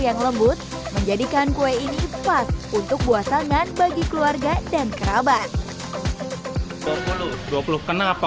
yang lembut menjadikan kue ini pas untuk buah tangan bagi keluarga dan kerabat dua puluh dua puluh kenapa